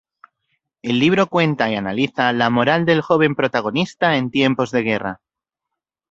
El libro cuenta y analiza la moral del joven protagonista en tiempos de guerra.